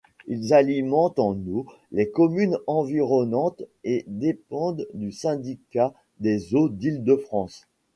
Ils alimentent en eau les communes environnantes et dépendent du syndicat des eaux d'Île-de-France.